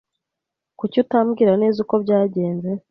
Kuki utambwira neza uko byagenze?